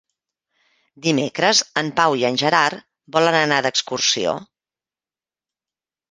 Dimecres en Pau i en Gerard volen anar d'excursió.